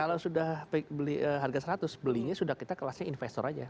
kalau sudah beli harga seratus belinya sudah kita kelasnya investor aja